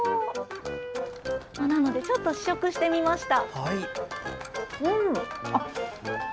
ちょっと試食してみました。